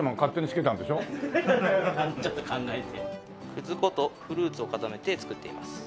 くず粉とフルーツを固めて作っています。